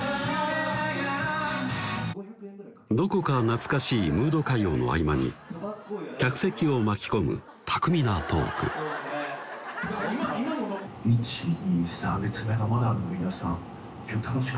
どこか懐かしいムード歌謡の合間に客席を巻き込む巧みなトーク１２